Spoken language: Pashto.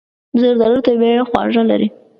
زردالو طبیعي خواږه لري.